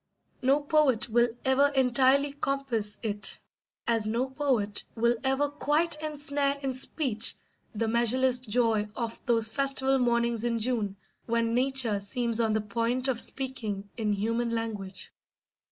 No poet will ever entirely compass it, as no poet will ever quite ensnare in speech the measureless joy of those festival mornings in June when Nature seems on the point of speaking in human language.